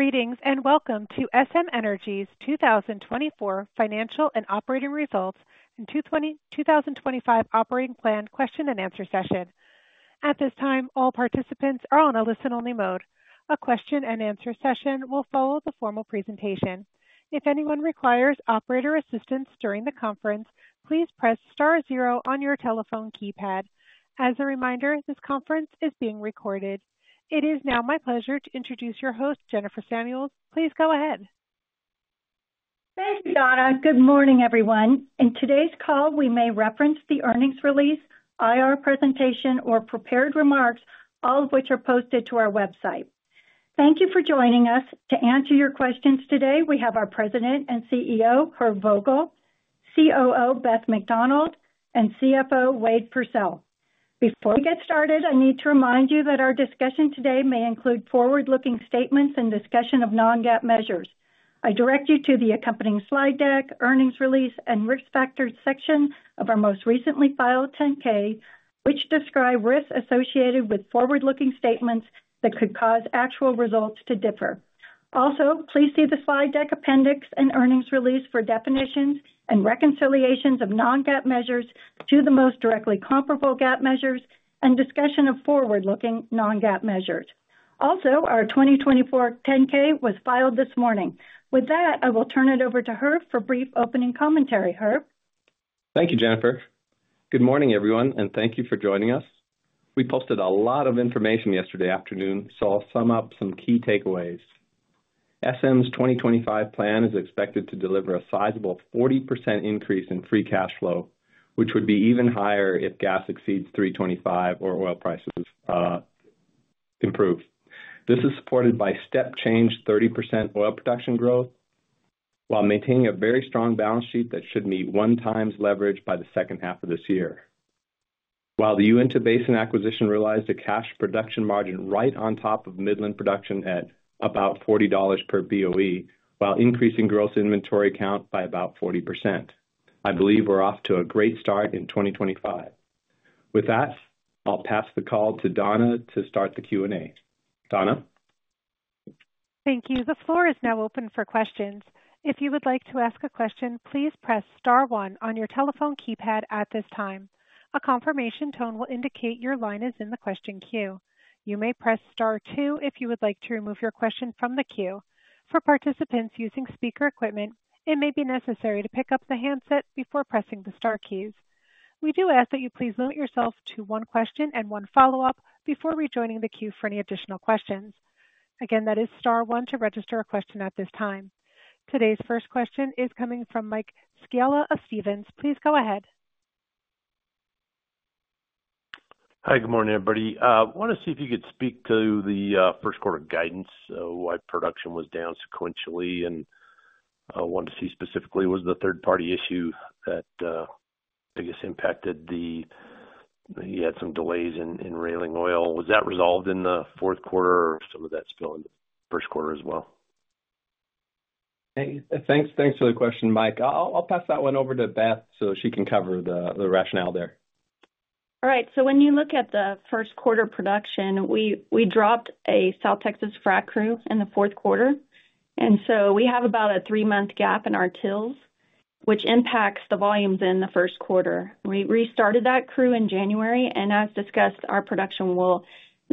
Greetings and welcome to SM Energy's 2024 Financial and Operating Results and 2025 Operating Plan Question-and-Answer Session. At this time, all participants are on a listen-only mode. A question-and-answer session will follow the formal presentation. If anyone requires operator assistance during the conference, please press star zero on your telephone keypad. As a reminder, this conference is being recorded. It is now my pleasure to introduce your host, Jennifer Samuels. Please go ahead. Thank you, Donna. Good morning, everyone. In today's call, we may reference the earnings release, IR presentation, or prepared remarks, all of which are posted to our website. Thank you for joining us. To answer your questions today, we have our President and CEO, Herb Vogel, COO, Beth McDonald, and CFO, Wade Pursell. Before we get started, I need to remind you that our discussion today may include forward-looking statements and discussion of non-GAAP measures. I direct you to the accompanying slide deck, earnings release, and risk factors section of our most recently filed 10-K, which describe risks associated with forward-looking statements that could cause actual results to differ. Also, please see the slide deck appendix and earnings release for definitions and reconciliations of non-GAAP measures to the most directly comparable GAAP measures and discussion of forward-looking non-GAAP measures. Also, our 2024 10-K was filed this morning. With that, I will turn it over to Herb for brief opening commentary. Herb. Thank you, Jennifer. Good morning, everyone, and thank you for joining us. We posted a lot of information yesterday afternoon, so I'll sum up some key takeaways. SM's 2025 plan is expected to deliver a sizable 40% increase in free cash flow, which would be even higher if gas exceeds $3.25 or oil prices improve. This is supported by step-changed 30% oil production growth while maintaining a very strong balance sheet that should meet one times leverage by the second half of this year. While the Uinta Basin acquisition realized a cash production margin right on top of Midland production at about $40 per BOE while increasing gross inventory count by about 40%, I believe we're off to a great start in 2025. With that, I'll pass the call to Donna to start the Q&A. Donna. Thank you. The floor is now open for questions. If you would like to ask a question, please press star one on your telephone keypad at this time. A confirmation tone will indicate your line is in the question queue. You may press star two if you would like to remove your question from the queue. For participants using speaker equipment, it may be necessary to pick up the handset before pressing the star keys. We do ask that you please limit yourself to one question and one follow-up before rejoining the queue for any additional questions. Again, that is star one to register a question at this time. Today's first question is coming from Mike Scialla of Stephens. Please go ahead. Hi, good morning, everybody. I want to see if you could speak to the first quarter guidance, why production was down sequentially, and I want to see specifically was the third-party issue that I guess impacted that you had some delays in railing oil. Was that resolved in the fourth quarter, or some of that spilled into the first quarter as well? Thanks for the question, Mike. I'll pass that one over to Beth so she can cover the rationale there. All right. So when you look at the first quarter production, we dropped a South Texas frac crew in the fourth quarter. And so we have about a three-month gap in our tills, which impacts the volumes in the first quarter. We restarted that crew in January, and as discussed, our production will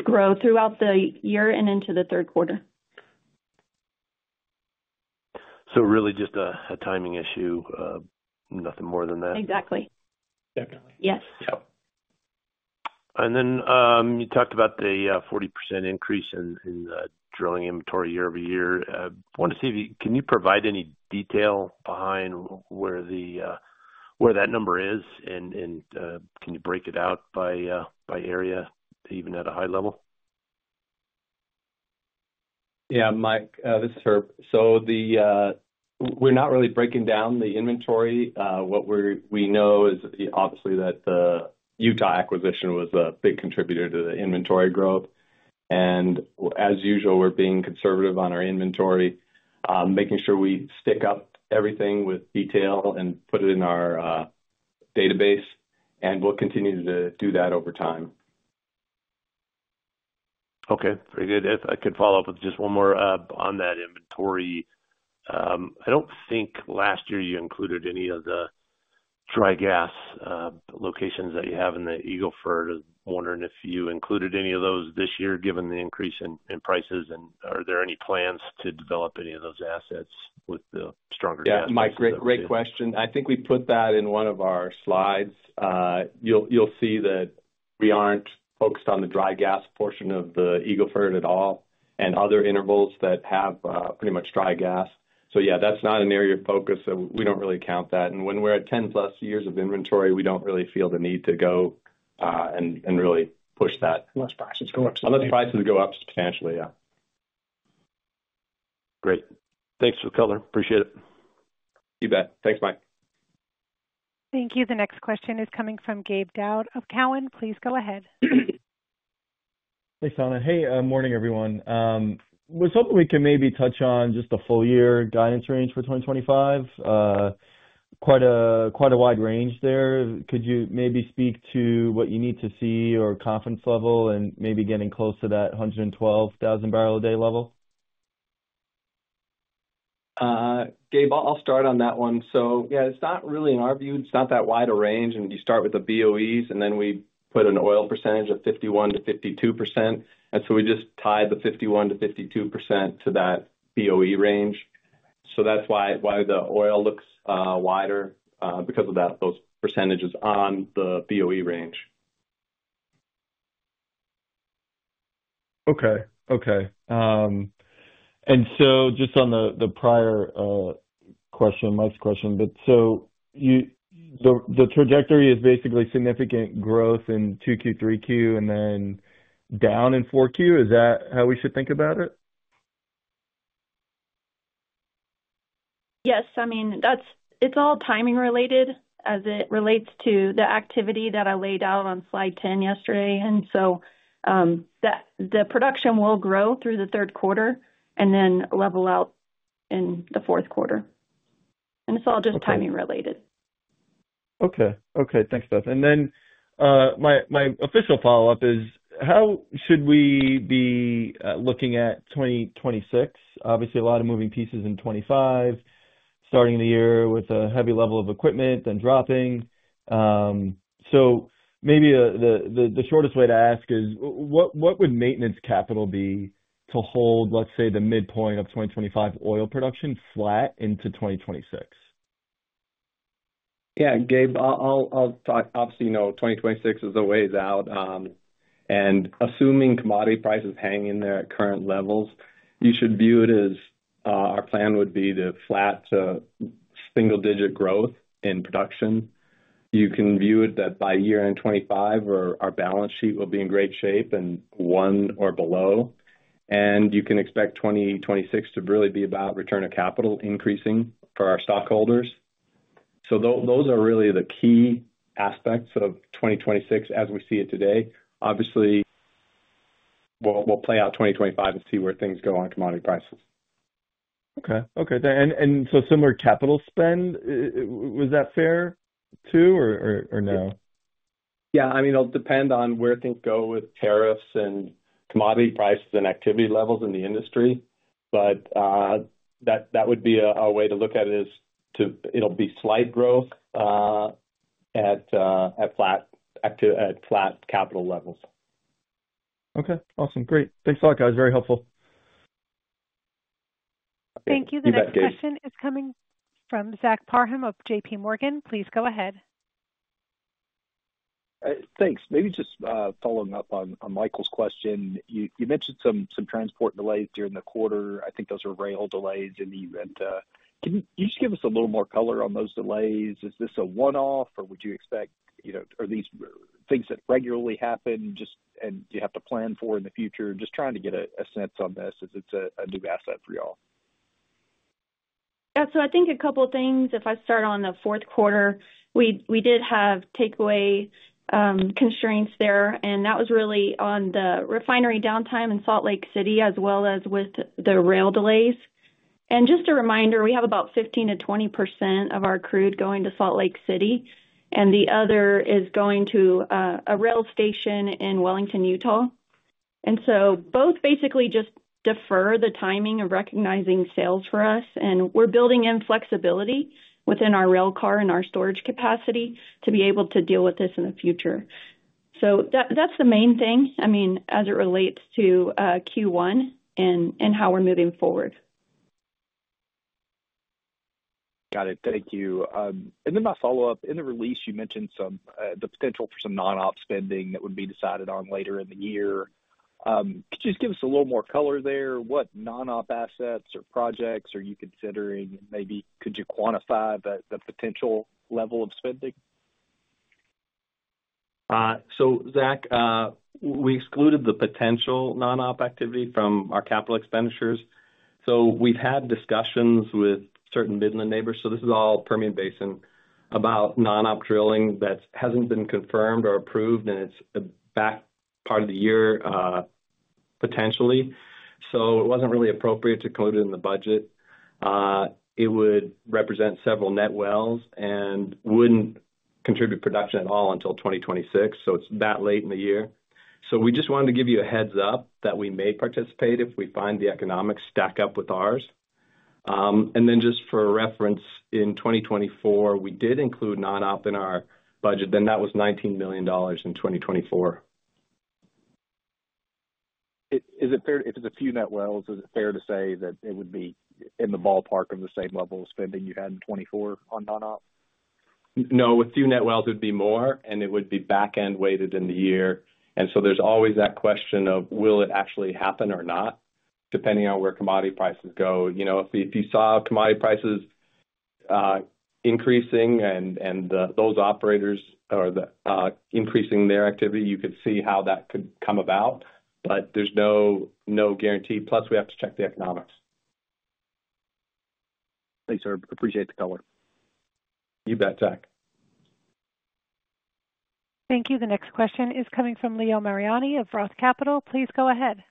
grow throughout the year and into the third quarter. Really just a timing issue, nothing more than that. Exactly. Definitely. Yes. Yeah. And then you talked about the 40% increase in drilling inventory year-over-year. I want to see if you can provide any detail behind where that number is, and can you break it out by area, even at a high level? Yeah, Mike, this is Herb. So we're not really breaking down the inventory. What we know is obviously that the Utah acquisition was a big contributor to the inventory growth. And as usual, we're being conservative on our inventory, making sure we stack up everything with detail and put it in our database, and we'll continue to do that over time. Okay. Very good. If I could follow up with just one more on that inventory. I don't think last year you included any of the dry gas locations that you have in the Eagle Ford. I'm wondering if you included any of those this year given the increase in prices, and are there any plans to develop any of those assets with the stronger gas? Yeah, Mike, great question. I think we put that in one of our slides. You'll see that we aren't focused on the dry gas portion of the Eagle Ford at all and other intervals that have pretty much dry gas. So yeah, that's not an area of focus. We don't really count that. And when we're at 10-plus years of inventory, we don't really feel the need to go and really push that. Unless prices go up. Unless prices go up, potentially, yeah. Great. Thanks for color. Appreciate it. You bet. Thanks, Mike. Thank you. The next question is coming from Gabe Daoud of Cowen. Please go ahead. Hey, Donna. Hey, morning, everyone. I was hoping we could maybe touch on just the full-year guidance range for 2025. Quite a wide range there. Could you maybe speak to what you need to see or confidence level and maybe getting close to that 112,000 barrel a day level? Gabe, I'll start on that one, so yeah, it's not really in our view, it's not that wide a range, and you start with the BOEs, and then we put an oil percentage of 51%-52%, and so we just tied the 51%-52% to that BOE range, so that's why the oil looks wider because of those percentages on the BOE range. Okay. And so just on the prior question, Mike's question, but so the trajectory is basically significant growth in 2Q, 3Q, and then down in 4Q. Is that how we should think about it? Yes. I mean, it's all timing related as it relates to the activity that I laid out on Slide 10 yesterday. And so the production will grow through the third quarter and then level out in the fourth quarter. And it's all just timing related. Okay. Thanks, Beth. And then my official follow-up is, how should we be looking at 2026? Obviously, a lot of moving pieces in 2025, starting the year with a heavy level of equipment, then dropping. So maybe the shortest way to ask is, what would maintenance capital be to hold, let's say, the midpoint of 2025 oil production flat into 2026? Yeah, Gabe, I'll obviously know 2026 is a ways out. And assuming commodity prices hang in their current levels, you should view it as our plan would be to flat to single-digit growth in production. You can view it that by year end 2025, our balance sheet will be in great shape and one or below. And you can expect 2026 to really be about return of capital increasing for our stockholders. So those are really the key aspects of 2026 as we see it today. Obviously, we'll play out 2025 and see where things go on commodity prices. Okay. And so similar capital spend, was that fair too, or no? Yeah. I mean, it'll depend on where things go with tariffs and commodity prices and activity levels in the industry. But that would be a way to look at it, is it'll be slight growth at flat capital levels. Okay. Awesome. Great. Thanks a lot, guys. Very helpful. Thank you. The next question is coming from Zach Parham of J.P. Morgan. Please go ahead. Thanks. Maybe just following up on Michael's question. You mentioned some transport delays during the quarter. I think those are rail delays in the Uinta. Can you just give us a little more color on those delays? Is this a one-off, or would you expect are these things that regularly happen just and you have to plan for in the future? Just trying to get a sense on this as it's a new asset for y'all. Yeah. So I think a couple of things. If I start on the fourth quarter, we did have takeaway constraints there. And that was really on the refinery downtime in Salt Lake City as well as with the rail delays. And just a reminder, we have about 15%-20% of our crude going to Salt Lake City. And the other is going to a rail station in Wellington, Utah. And so both basically just defer the timing of recognizing sales for us. And we're building in flexibility within our rail car and our storage capacity to be able to deal with this in the future. So that's the main thing, I mean, as it relates to Q1 and how we're moving forward. Got it. Thank you. And then my follow-up. In the release, you mentioned the potential for some non-op spending that would be decided on later in the year. Could you just give us a little more color there? What non-op assets or projects are you considering? And maybe could you quantify the potential level of spending? Zach, we excluded the potential non-op activity from our capital expenditures. We've had discussions with certain Midland neighbors. This is all Permian Basin about non-op drilling that hasn't been confirmed or approved, and it's latter part of the year potentially. It wasn't really appropriate to include it in the budget. It would represent several net wells and wouldn't contribute production at all until 2026. It's that late in the year. We just wanted to give you a heads-up that we may participate if we find the economics stack up with ours. And then just for reference, in 2024, we did include non-op in our budget, that was $19 million in 2024. Is it fair if it's a few net wells, is it fair to say that it would be in the ballpark of the same level of spending you had in 2024 on non-op? No. With few net wells, it would be more, and it would be back-end weighted in the year. And so there's always that question of will it actually happen or not depending on where commodity prices go. If you saw commodity prices increasing and those operators are increasing their activity, you could see how that could come about. But there's no guarantee. Plus, we have to check the economics. Thanks, Herb. Appreciate the color. You bet, Zach. Thank you. The next question is coming from Leo Mariani of Roth Capital. Please go ahead.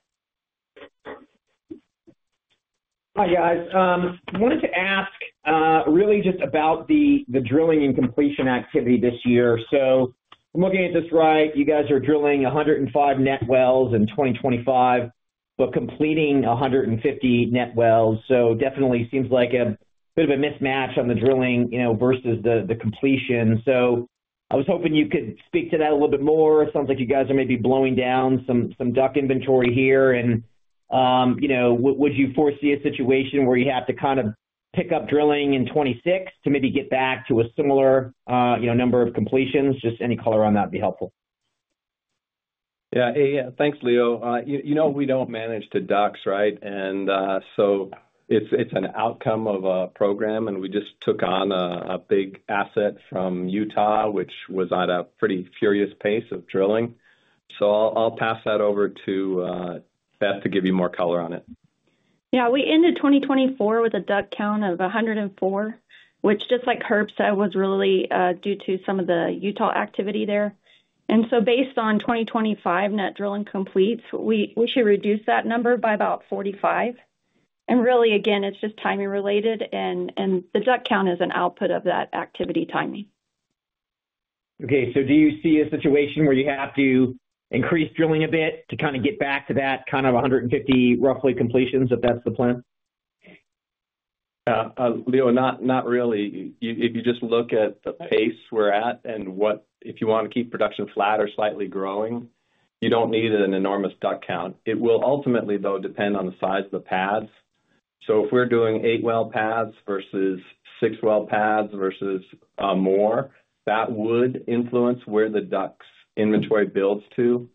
Hi, guys. I wanted to ask really just about the drilling and completion activity this year. So I'm looking at this right. You guys are drilling 105 net wells in 2025, but completing 150 net wells. So definitely seems like a bit of a mismatch on the drilling versus the completion. So I was hoping you could speak to that a little bit more. It sounds like you guys are maybe blowing down some DUC inventory here. And would you foresee a situation where you have to kind of pick up drilling in 2026 to maybe get back to a similar number of completions? Just any color on that would be helpful. Yeah. Yeah. Thanks, Leo. You know we don't manage to DUCs, right? And so it's an outcome of a program. And we just took on a big asset from Utah, which was at a pretty furious pace of drilling. So I'll pass that over to Beth to give you more color on it. Yeah. We ended 2024 with a DUC count of 104, which just like Herb said, was really due to some of the Utah activity there, and so based on 2025 net drilling completes, we should reduce that number by about 45, and really, again, it's just timing related, and the DUC count is an output of that activity timing. Okay. So do you see a situation where you have to increase drilling a bit to kind of get back to that kind of 150 roughly completions if that's the plan? Yeah. Leo, not really. If you just look at the pace we're at and if you want to keep production flat or slightly growing, you don't need an enormous DUC count. It will ultimately, though, depend on the size of the pads. So if we're doing eight well pads versus six well pads versus more, that would influence where the DUC's inventory builds to.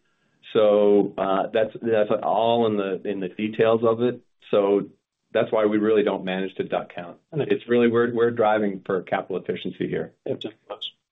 So that's all in the details of it. So that's why we really don't manage the DUC count. It's really we're driving for capital efficiency here.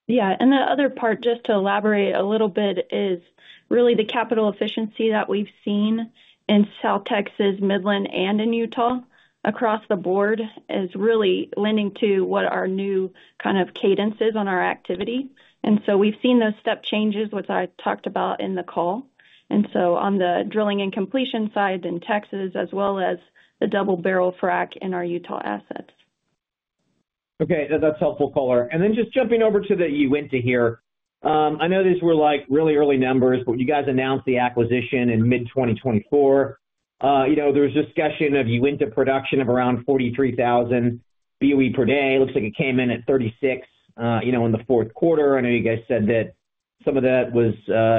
Yeah. And the other part, just to elaborate a little bit, is really the capital efficiency that we've seen in South Texas, Midland, and in Utah across the board is really lending to what our new kind of cadence is on our activity. And so we've seen those step changes, which I talked about in the call. And so on the drilling and completion side in Texas, as well as the double-barrel frac in our Utah assets. Okay. That's helpful color. And then just jumping over to the Uinta here. I know these were really early numbers, but you guys announced the acquisition in mid-2024. There was discussion of Uinta production of around 43,000 BOE per day. It looks like it came in at 36 in the fourth quarter. I know you guys said that some of that was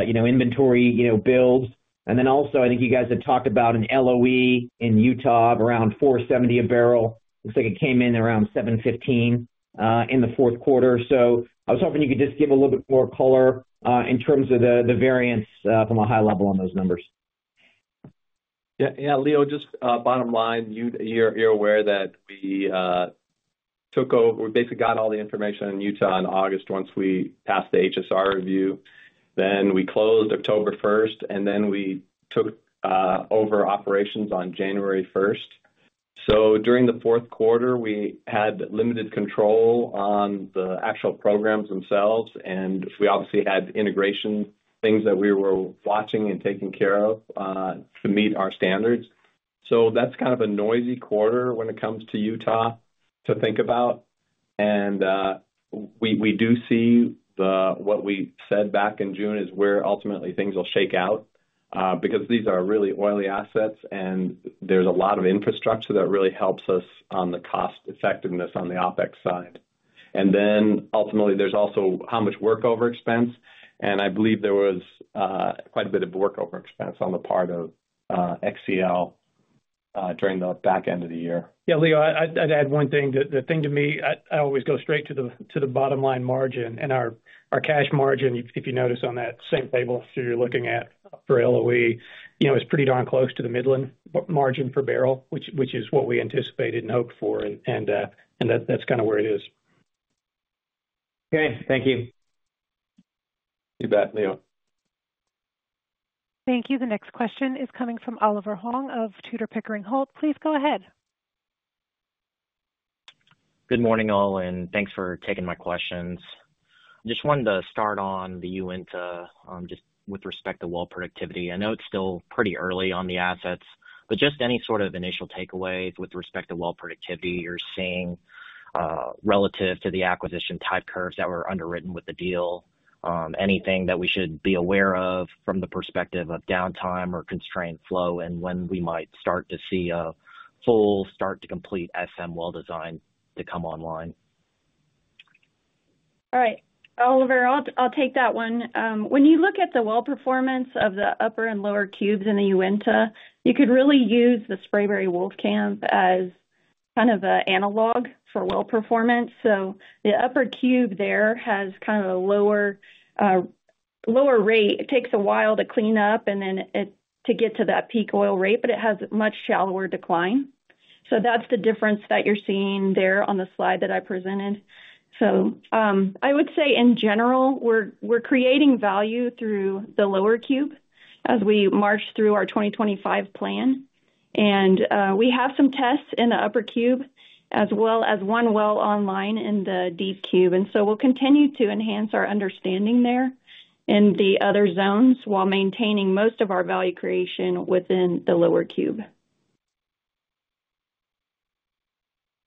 inventory builds. And then also, I think you guys had talked about an LOE in Utah of around 470 a barrel. Looks like it came in around 715 in the fourth quarter. So I was hoping you could just give a little bit more color in terms of the variance from a high level on those numbers. Yeah. Yeah. Leo, just bottom line, you're aware that we took over. We basically got all the information in Utah in August once we passed the HSR review. Then we closed October 1st, and then we took over operations on January 1st. So during the fourth quarter, we had limited control on the actual programs themselves. And we obviously had integration things that we were watching and taking care of to meet our standards. So that's kind of a noisy quarter when it comes to Utah to think about. And we do see what we said back in June is where ultimately things will shake out because these are really oily assets. And there's a lot of infrastructure that really helps us on the cost effectiveness on the OpEx side. And then ultimately, there's also how much workover expense. I believe there was quite a bit of workover expense on the part of XCL during the back end of the year. Yeah, Leo, I'd add one thing. The thing to me, I always go straight to the bottom line margin. And our cash margin, if you notice on that same table you're looking at for LOE, it's pretty darn close to the Midland margin per barrel, which is what we anticipated and hoped for. And that's kind of where it is. Okay. Thank you. You bet, Leo. Thank you. The next question is coming from Oliver Huang of Tudor, Pickering, Holt. Please go ahead. Good morning, all. And thanks for taking my questions. I just wanted to start on the Uinta just with respect to well productivity. I know it's still pretty early on the assets, but just any sort of initial takeaways with respect to well productivity you're seeing relative to the acquisition type curves that were underwritten with the deal? Anything that we should be aware of from the perspective of downtime or constrained flow and when we might start to see a full start-to-complete SM well design to come online? All right. Oliver, I'll take that one. When you look at the well performance of the upper and lower cubes in the Uinta, you could really use the Spraberry Wolfcamp as kind of an analog for well performance. So the upper cube there has kind of a lower rate. It takes a while to clean up and then to get to that peak oil rate, but it has a much shallower decline. So that's the difference that you're seeing there on the slide that I presented. So I would say, in general, we're creating value through the lower cube as we march through our 2025 plan. And we have some tests in the upper cube as well as one well online in the deep cube. And so we'll continue to enhance our understanding there in the other zones while maintaining most of our value creation within the lower cube.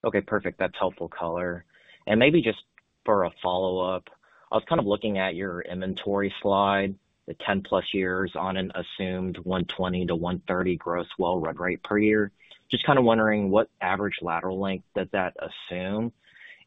Okay. Perfect. That's helpful color. And maybe just for a follow-up, I was kind of looking at your inventory slide, the 10-plus years on an assumed 120-130 gross well run rate per year. Just kind of wondering what average lateral length does that assume?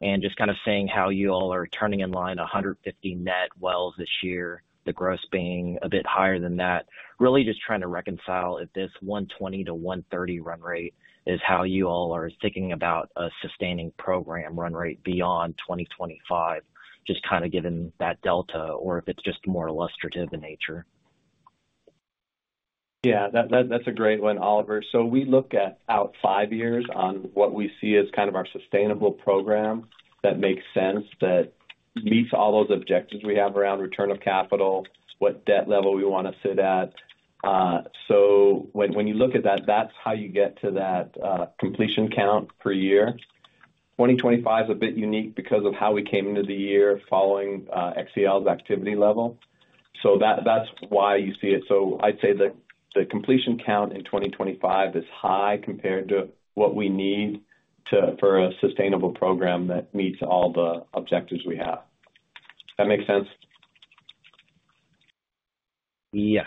And just kind of seeing how you all are turning in line 150 net wells this year, the gross being a bit higher than that. Really just trying to reconcile if this 120-130 run rate is how you all are thinking about a sustaining program run rate beyond 2025, just kind of given that delta, or if it's just more illustrative in nature. Yeah. That's a great one, Oliver. So we look out five years on what we see as kind of our sustainable program that makes sense that meets all those objectives we have around return of capital, what debt level we want to sit at. So when you look at that, that's how you get to that completion count per year. 2025 is a bit unique because of how we came into the year following XCL's activity level. So that's why you see it. So I'd say that the completion count in 2025 is high compared to what we need for a sustainable program that meets all the objectives we have. That makes sense? Yes.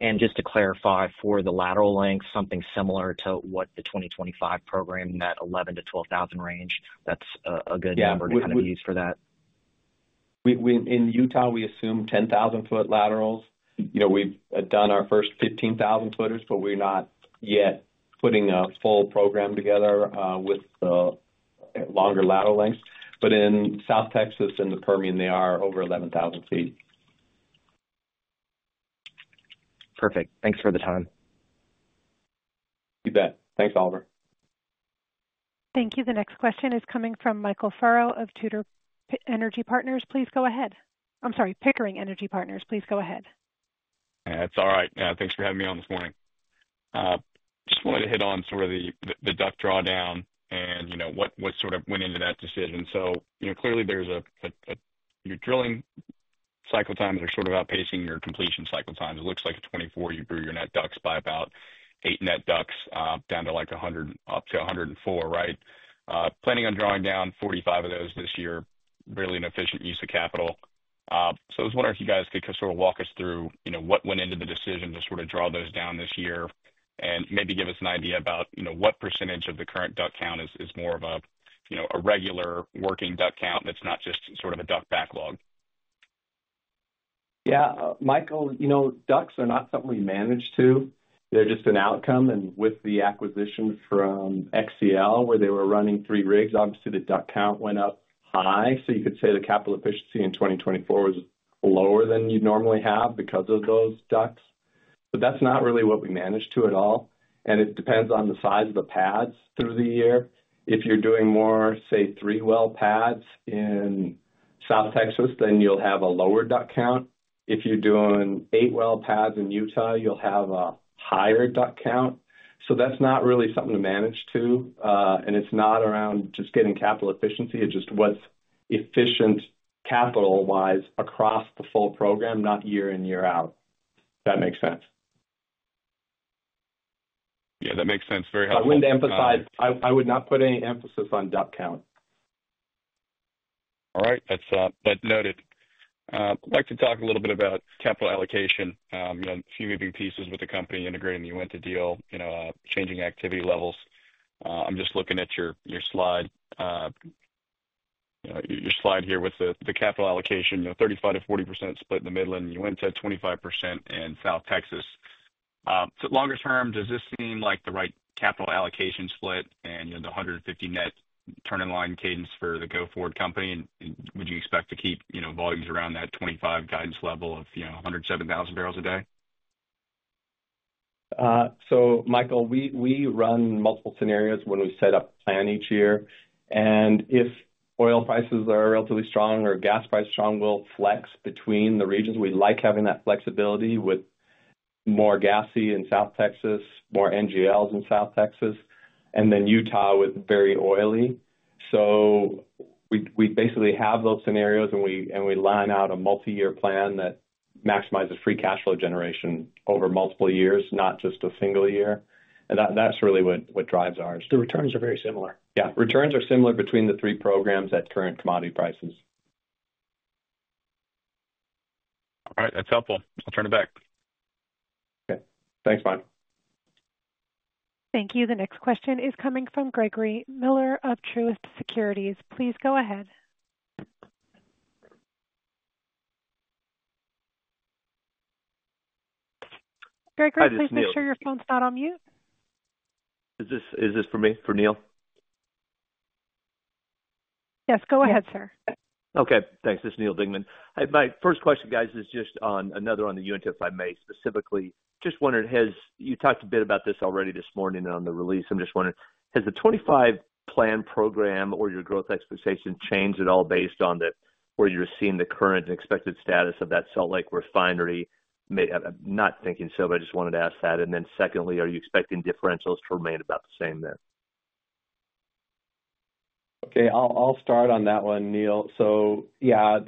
And just to clarify for the lateral length, something similar to what the 2025 program, that 11-12,000 range, that's a good number to kind of use for that. In Utah, we assume 10,000-foot laterals. We've done our first 15,000-footers, but we're not yet putting a full program together with the longer lateral lengths. But in South Texas and the Permian, they are over 11,000 feet. Perfect. Thanks for the time. You bet. Thanks, Oliver. Thank you. The next question is coming from Michael Furrow of Tudor Energy Partners. Please go ahead. I'm sorry, Pickering Energy Partners. Please go ahead. Yeah. It's all right. Thanks for having me on this morning. Just wanted to hit on sort of the DUC drawdown and what sort of went into that decision. So clearly, your drilling cycle times are sort of outpacing your completion cycle times. It looks like in 2024, you grew your net DUCs by about eight net DUCs down to up to 104, right? Planning on drawing down 45 of those this year, really an efficient use of capital. So I was wondering if you guys could sort of walk us through what went into the decision to sort of draw those down this year and maybe give us an idea about what percentage of the current DUC count is more of a regular working DUC count that's not just sort of a DUC backlog. Yeah. Michael, DUCs are not something we manage to. They're just an outcome. And with the acquisition from XCL, where they were running three rigs, obviously, the DUC count went up high. So you could say the capital efficiency in 2024 was lower than you'd normally have because of those DUCs. But that's not really what we managed to at all. And it depends on the size of the pads through the year. If you're doing more, say, three well pads in South Texas, then you'll have a lower DUC count. If you're doing eight well pads in Utah, you'll have a higher DUC count. So that's not really something to manage to. And it's not around just getting capital efficiency. It's just what's efficient capital-wise across the full program, not year in, year out. If that makes sense. Yeah. That makes sense. Very helpful. I would not put any emphasis on DUC count. All right. That's noted. I'd like to talk a little bit about capital allocation, a few moving pieces with the company integrating the Uinta deal, changing activity levels. I'm just looking at your slide here with the capital allocation, 35%-40% split in the Midland, Uinta 25%, and South Texas. So longer term, does this seem like the right capital allocation split and the 150 net turn-in-line cadence for the go-forward company? And would you expect to keep volumes around that 2025 guidance level of 107,000 barrels a day? So Michael, we run multiple scenarios when we set up a plan each year. And if oil prices are relatively strong or gas prices are strong, we'll flex between the regions. We like having that flexibility with more gassy in South Texas, more NGLs in South Texas, and then Utah with very oily. So we basically have those scenarios, and we line out a multi-year plan that maximizes free cash flow generation over multiple years, not just a single year. And that's really what drives ours. The returns are very similar. Yeah. Returns are similar between the three programs at current commodity prices. All right. That's helpful. I'll turn it back. Okay. Thanks, Mike. Thank you. The next question is coming from Gregory Miller of Truist Securities. Please go ahead. Gregory, please make sure your phone's not on mute. Is this for me? For Neal? Yes. Go ahead, sir. Okay. Thanks. This is Neal Dingmann. My first question, guys, is just another on the Uinta if I may specifically. Just wondered, you talked a bit about this already this morning on the release. I'm just wondering, has the 25 plan program or your growth expectations changed at all based on where you're seeing the current expected status of that Salt Lake refinery? Not thinking so, but I just wanted to ask that. And then secondly, are you expecting differentials to remain about the same there? Okay. I'll start on that one, Neal. So yeah,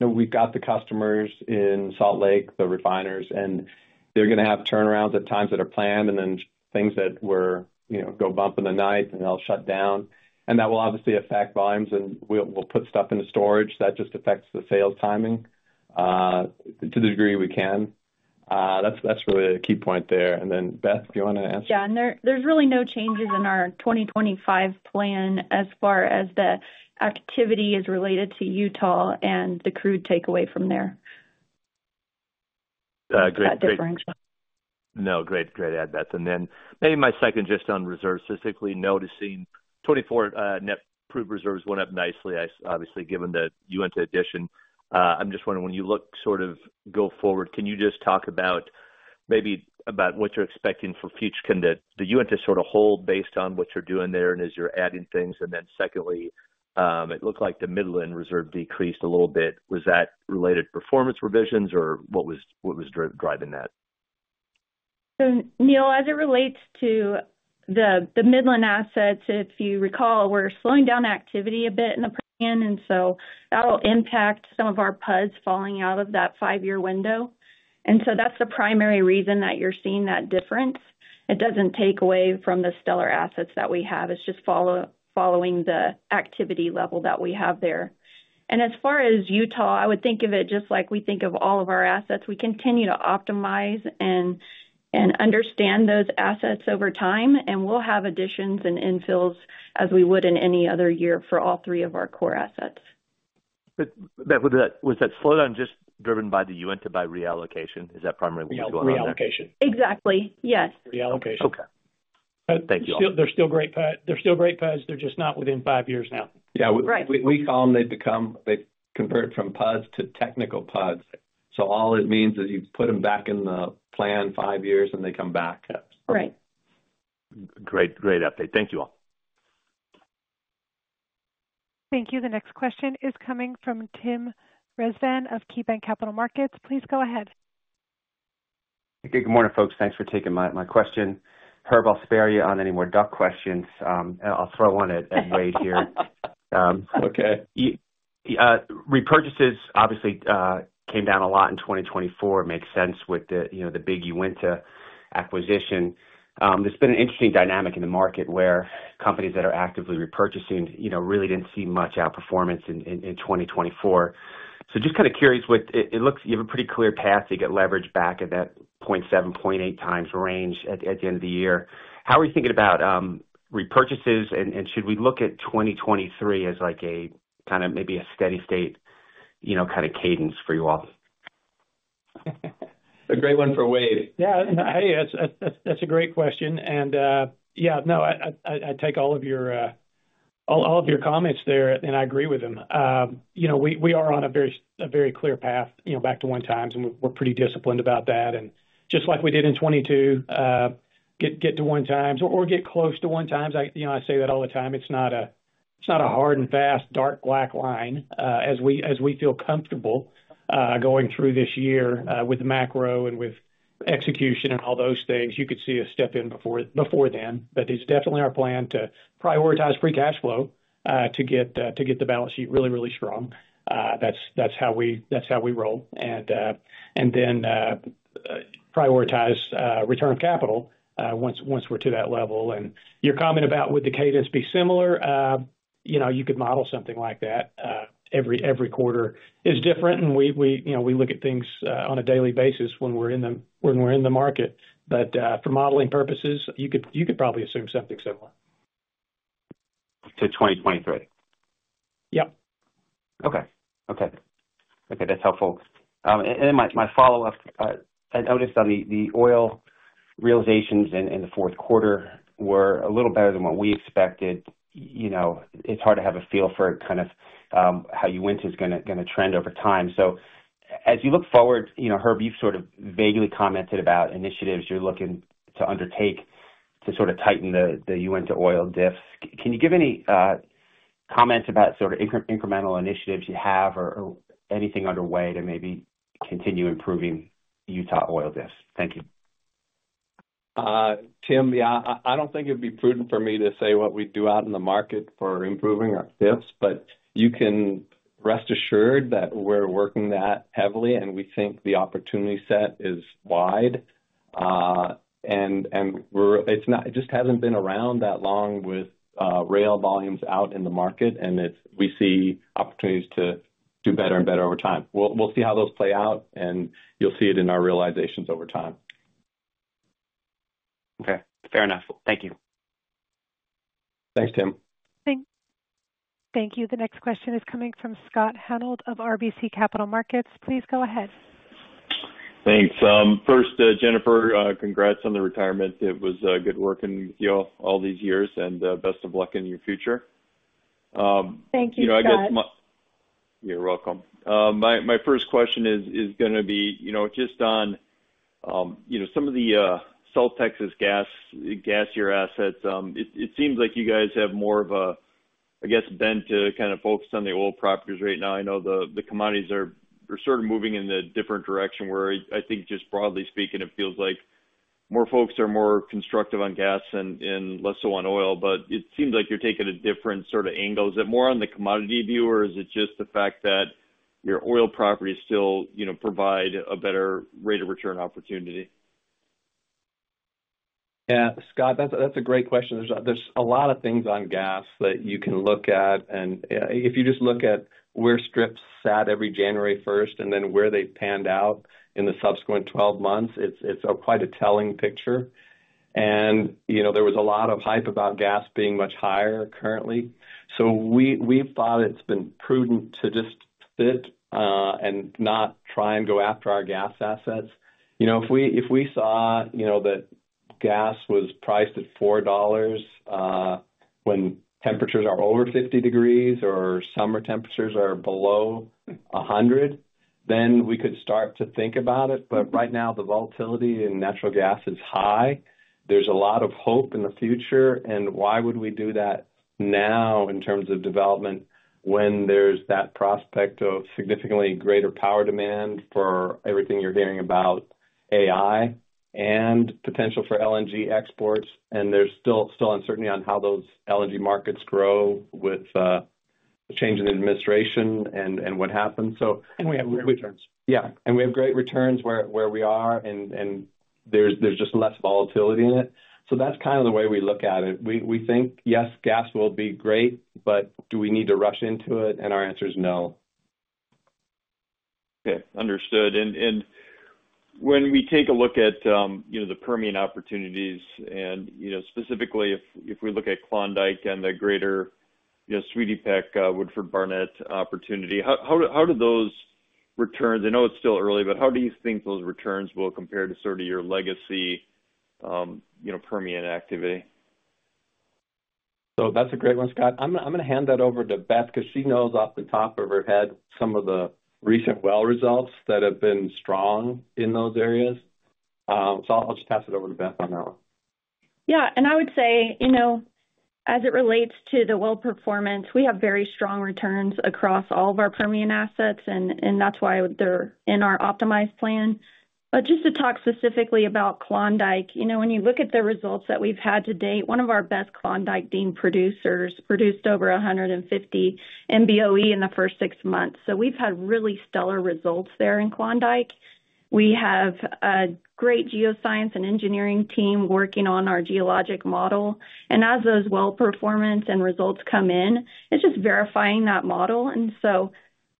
we've got the customers in Salt Lake, the refiners, and they're going to have turnarounds at times that are planned and then things that go bump in the night, and they'll shut down. That will obviously affect volumes, and we'll put stuff into storage. That just affects the sales timing to the degree we can. That's really a key point there. And then, Beth, do you want to answer? Yeah, and there's really no changes in our 2025 plan as far as the activity is related to Utah and the crude takeaway from there. Great. That difference. No. Great. Great. Add that. And then maybe my second just on reserves. Specifically noticing 24 net proved reserves went up nicely, obviously, given the Uinta addition. I'm just wondering, when you look sort of go forward, can you just talk about maybe about what you're expecting for future? Can the Uinta sort of hold based on what you're doing there and as you're adding things? And then secondly, it looked like the Midland reserve decreased a little bit. Was that related to performance revisions, or what was driving that? Neal, as it relates to the Midland assets, if you recall, we're slowing down activity a bit in the plan, and so that'll impact some of our PUDs falling out of that five-year window. That's the primary reason that you're seeing that difference. It doesn't take away from the stellar assets that we have. It's just following the activity level that we have there. As far as Utah, I would think of it just like we think of all of our assets. We continue to optimize and understand those assets over time, and we'll have additions and infills as we would in any other year for all three of our core assets. But was that slowdown just driven by the Uinta, by reallocation? Is that primarily what you're going around? It was reallocation. Exactly. Yes. Reallocation. Okay. Thank you. They're still great PUDs. They're still great PUDs. They're just not within five years now. Yeah. We call them. They've converted from PUDs to Technical PUDs. So all it means is you put them back in the plan five years, and they come back. Right. Great. Great update. Thank you all. Thank you. The next question is coming from Tim Rezvan of KeyBanc Capital Markets. Please go ahead. Good morning, folks. Thanks for taking my question. Herb, I'll spare you on any more DUC questions. I'll throw one at Wade here. Okay. Repurchases obviously came down a lot in 2024. Makes sense with the big Uinta acquisition. There's been an interesting dynamic in the market where companies that are actively repurchasing really didn't see much outperformance in 2024. So just kind of curious, it looks you have a pretty clear path to get leverage back at that 0.7-0.8 times range at the end of the year. How are you thinking about repurchases, and should we look at 2023 as kind of maybe a steady-state kind of cadence for you all? A great one for Wade. Yeah. Hey, that's a great question. And yeah, no, I take all of your comments there, and I agree with them. We are on a very clear path back to one times, and we're pretty disciplined about that. And just like we did in 2022, get to one times or get close to one times. I say that all the time. It's not a hard and fast dark black line. As we feel comfortable going through this year with the macro and with execution and all those things, you could see a step in before then. But it's definitely our plan to prioritize free cash flow to get the balance sheet really, really strong. That's how we roll. And then prioritize return of capital once we're to that level. And your comment about would the cadence be similar? You could model something like that. Every quarter is different, and we look at things on a daily basis when we're in the market. But for modeling purposes, you could probably assume something similar. To 2023. Yep. Okay. Okay. Okay. That's helpful. And then my follow-up, I noticed on the oil realizations in the fourth quarter were a little better than what we expected. It's hard to have a feel for kind of how Uinta is going to trend over time. So as you look forward, Herb, you've sort of vaguely commented about initiatives you're looking to undertake to sort of tighten the Uinta oil diffs. Can you give any comments about sort of incremental initiatives you have or anything underway to maybe continue improving Utah oil diffs? Thank you. Tim, yeah, I don't think it'd be prudent for me to say what we do out in the market for improving our diffs, but you can rest assured that we're working that heavily, and we think the opportunity set is wide, and it just hasn't been around that long with rail volumes out in the market, and we see opportunities to do better and better over time. We'll see how those play out, and you'll see it in our realizations over time. Okay. Fair enough. Thank you. Thanks, Tim. Thank you. The next question is coming from Scott Hanold of RBC Capital Markets. Please go ahead. Thanks. First, Jennifer, congrats on the retirement. It was good working with you all these years, and best of luck in your future. Thank you, Scott. You're welcome. My first question is going to be just on some of the South Texas gassier assets. It seems like you guys have more of a, I guess, bent to kind of focus on the oil properties right now. I know the commodities are sort of moving in a different direction where, I think, just broadly speaking, it feels like more folks are more constructive on gas and less so on oil. But it seems like you're taking a different sort of angle. Is it more on the commodity view, or is it just the fact that your oil properties still provide a better rate of return opportunity? Yeah, Scott, that's a great question. There's a lot of things on gas that you can look at. And if you just look at where strips sat every January 1st and then where they panned out in the subsequent 12 months, it's quite a telling picture. And there was a lot of hype about gas being much higher currently. So we've thought it's been prudent to just sit and not try and go after our gas assets. If we saw that gas was priced at $4 when temperatures are over 50 degrees or summer temperatures are below 100, then we could start to think about it. But right now, the volatility in natural gas is high. There's a lot of hope in the future. And why would we do that now in terms of development when there's that prospect of significantly greater power demand for everything you're hearing about AI and potential for LNG exports? And there's still uncertainty on how those LNG markets grow with the change in the administration and what happens. So. We have great returns. Yeah, and we have great returns where we are, and there's just less volatility in it, so that's kind of the way we look at it. We think, yes, gas will be great, but do we need to rush into it, and our answer is no. Okay. Understood. And when we take a look at the Permian opportunities, and specifically, if we look at Klondike and the greater Sweetie Peck, Woodford Barnett opportunity, how do those returns, I know it's still early, but how do you think those returns will compare to sort of your legacy Permian activity? So that's a great one, Scott. I'm going to hand that over to Beth because she knows off the top of her head some of the recent well results that have been strong in those areas. So I'll just pass it over to Beth on that one. Yeah, and I would say, as it relates to the well performance, we have very strong returns across all of our Permian assets, and that's why they're in our optimized plan, but just to talk specifically about Klondike, when you look at the results that we've had to date, one of our best Klondike Dean producers produced over 150 MBOE in the first six months, so we've had really stellar results there in Klondike. We have a great geoscience and engineering team working on our geologic model, and as those well performance and results come in, it's just verifying that model, and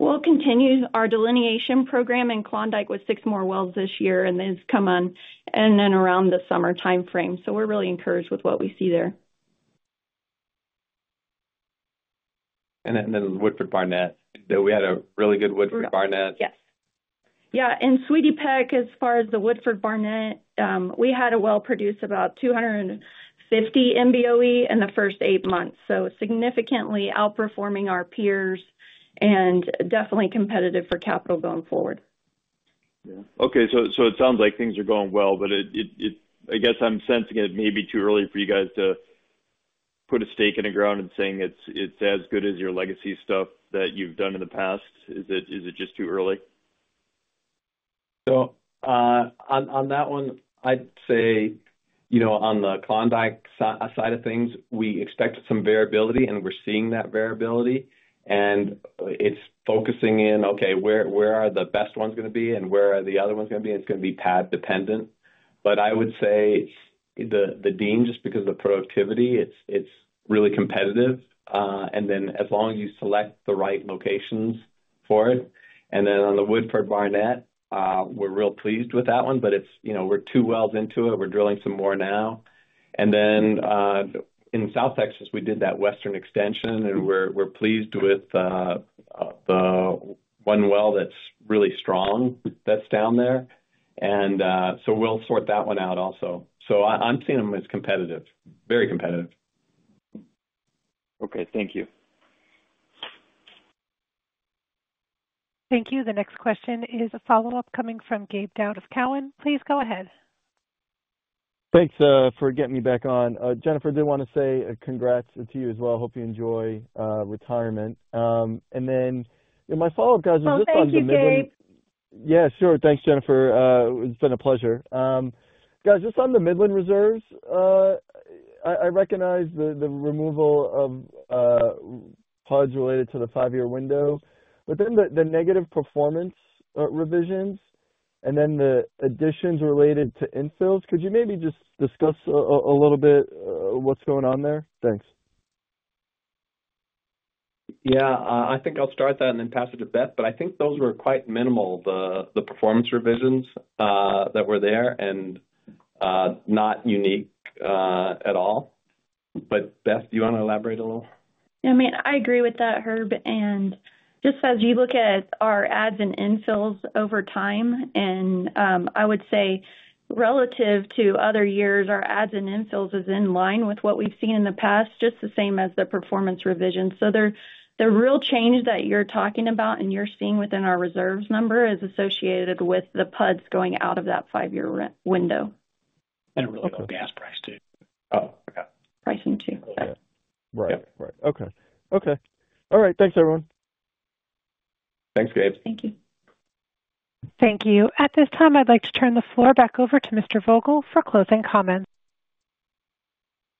so we'll continue our delineation program in Klondike with six more wells this year and then come on and then around the summer timeframe, so we're really encouraged with what we see there. And then Woodford Barnett, though we had a really good Woodford Barnett. Yes. Yeah, and Sweetie Peck, as far as the Woodford Barnett, we had a well produced about 250 MBOE in the first eight months, so significantly outperforming our peers and definitely competitive for capital going forward. Yeah. Okay. So it sounds like things are going well, but I guess I'm sensing it may be too early for you guys to put a stake in the ground and saying it's as good as your legacy stuff that you've done in the past. Is it just too early? So on that one, I'd say on the Klondike side of things, we expect some variability, and we're seeing that variability. And it's focusing in, okay, where are the best ones going to be and where are the other ones going to be? And it's going to be pad dependent. But I would say the Dean, just because of the productivity, it's really competitive. And then as long as you select the right locations for it. And then on the Woodford Barnett, we're real pleased with that one, but we're two wells into it. We're drilling some more now. And then in South Texas, we did that western extension, and we're pleased with the one well that's really strong that's down there. And so we'll sort that one out also. So I'm seeing them as competitive, very competitive. Okay. Thank you. Thank you. The next question is a follow-up coming from Gabe Daoud of Cowen. Please go ahead. Thanks for getting me back on. Jennifer, I do want to say congrats to you as well. Hope you enjoy retirement and then my follow-up, guys, is just on the Midland. Oh, thank you, Gabe. Yeah, sure. Thanks, Jennifer. It's been a pleasure. Guys, just on the Midland reserves, I recognize the removal of PUDs related to the five-year window, but then the negative performance revisions and then the additions related to infills, could you maybe just discuss a little bit what's going on there? Thanks. Yeah. I think I'll start that and then pass it to Beth, but I think those were quite minimal, the performance revisions that were there and not unique at all, but Beth, do you want to elaborate a little? Yeah. I mean, I agree with that, Herb, and just as you look at our adds and infills over time, and I would say relative to other years, our adds and infills is in line with what we've seen in the past, just the same as the performance revisions, so the real change that you're talking about and you're seeing within our reserves number is associated with the PUDs going out of that five-year window. A really low gas price too. Oh, okay. Pricing too. Right. Right. Okay. Okay. All right. Thanks, everyone. Thanks, Gabe. Thank you. Thank you. At this time, I'd like to turn the floor back over to Mr. Vogel for closing comments.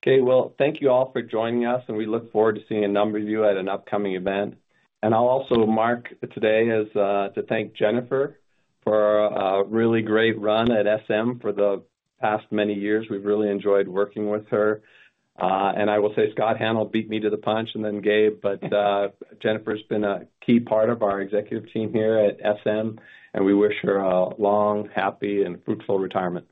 Okay. Well, thank you all for joining us, and we look forward to seeing a number of you at an upcoming event. And I'll also mark today as to thank Jennifer for a really great run at SM for the past many years. We've really enjoyed working with her. And I will say Scott Hanold beat me to the punch and then Gabe, but Jennifer has been a key part of our executive team here at SM, and we wish her a long, happy, and fruitful retirement.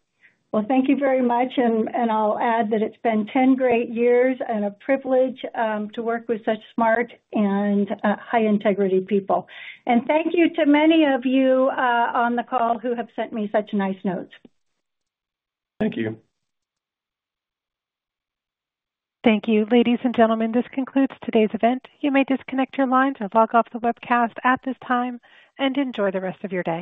Thank you very much. I'll add that it's been 10 great years and a privilege to work with such smart and high-integrity people. Thank you to many of you on the call who have sent me such nice notes. Thank you. Thank you. Ladies and gentlemen, this concludes today's event. You may disconnect your lines or log off the webcast at this time and enjoy the rest of your day.